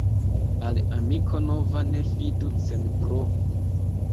Al amiko nova ne fidu sen provo.